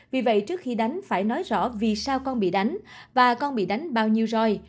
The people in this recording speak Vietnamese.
vì vậy trước khi đánh phải nói rõ vì sao con bị đánh và con bị đánh bao nhiêu roi